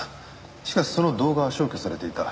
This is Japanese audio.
しかしその動画は消去されていた。